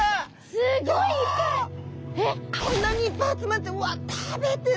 こんなにいっぱい集まってうわっ食べてる。